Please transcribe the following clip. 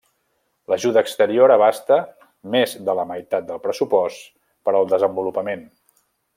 L'ajuda exterior abasta més de la meitat del pressupost per al desenvolupament.